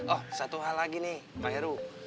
oh satu hal lagi nih pak heru